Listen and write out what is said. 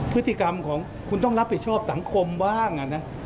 พฤติกรรมของคุณต้องรับผิดชอบสังคมบ้าง